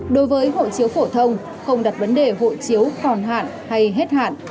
đối với hộ chiếu phổ thông không đặt vấn đề hộ chiếu còn hạn hay hết hạn